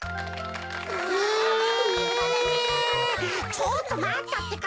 ちょっとまったってか。